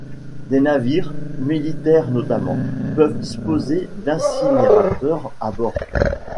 Des navires, militaires notamment, peuvent disposer d'incinérateurs à bord.